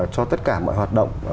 cho tất cả mọi hoạt động